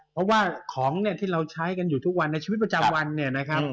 เพราะว่าของเนี่ยที่เราใช้กันอยู่ทุกวันในชีวิตประจำวันเนี่ยนะครับ